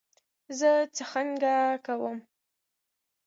زه څخنک کوم.